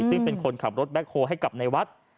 ซึ่งเป็นคนขับรถแบ็คโฮลให้กับในวัด